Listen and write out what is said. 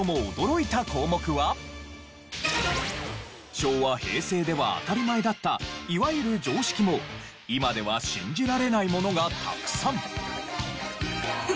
昭和・平成では当たり前だったいわゆる常識も今では信じられないものがたくさん。